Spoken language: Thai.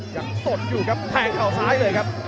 สดอยู่ครับแทงเข่าซ้ายเลยครับ